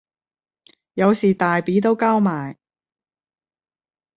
有時大髀都交埋